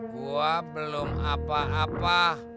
gua belum apa apa